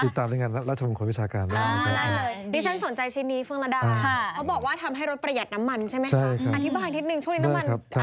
อธิบายนิดนึงช่วงนี้น้ำมันอาจจะไม่แพงแต่ก็ค่าใช้จ่ายเยอะอยู่ดี